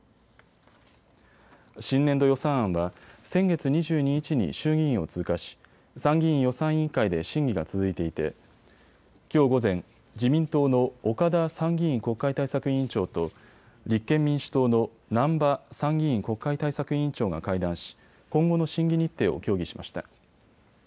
新年度予算案は先月２２日に衆議院を通過し参議院予算委員会で審議が続いていてきょう午前、自民党の岡田参議院国会対策委員長と立憲民主党の難波参議院国会対策委員長が会談し今後の審議日程を協議しました。